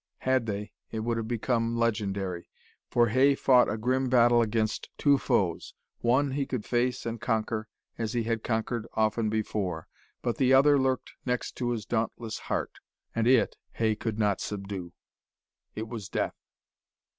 Had they, it would have become legendary. For Hay fought a grim battle against two foes. One, he could face and conquer, as he had conquered often before. But the other lurked next to his dauntless heart, and it Hay could not subdue. It was death.